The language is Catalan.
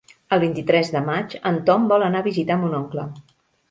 El vint-i-tres de maig en Tom vol anar a visitar mon oncle.